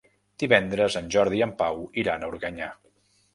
Divendres en Jordi i en Pau iran a Organyà.